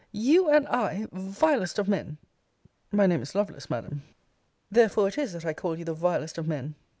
You and I! Vilest of Men! My name is Lovelace, Madam Therefore it is that I call you the vilest of men.